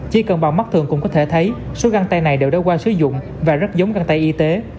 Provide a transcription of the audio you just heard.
chỉ cần bằng mắt thường cũng có thể thấy số găng tay này đều đã qua sử dụng và rất giống găng tay y tế